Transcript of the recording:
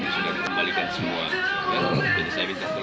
saya disini nih